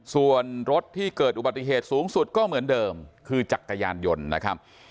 ส่วนรถที่เกิดอุบัติเหตุสูงสุดก็เหมือนเดิมคือจักรยานยนต์นะครับ